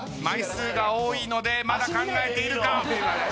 枚数が多いのでまだ考えているか？